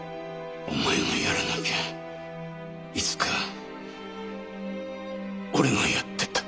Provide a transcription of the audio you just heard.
お前がやらなきゃいつか俺がやってた。